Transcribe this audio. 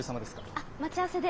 あっ待ち合わせで。